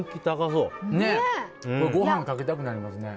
ご飯にかけたくなりますね。